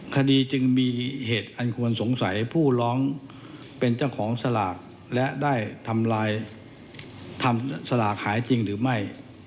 คดีจึงมีเหตุอันควรสงสัยผู้ร้องเป็นเจ้าของสลากและได้ทำลายทำสลากหายจริงหรือไม่